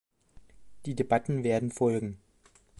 Die Debatten werden folgen.